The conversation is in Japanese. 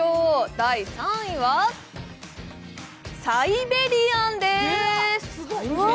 第３位はサイベリアンでーす。